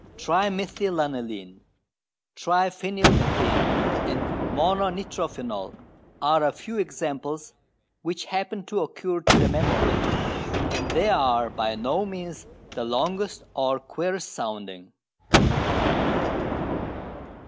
Trimethylaniline, triphenylmethane and mononitrophenol are a few examples which happen to occur to the memory, and they are by no means the longest or queerest sounding.